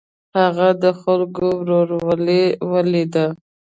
هغه د خلکو ورورولي ولیده.